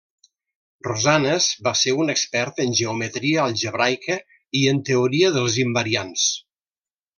Rosanes va ser un expert en geometria algebraica i en teoria dels invariants.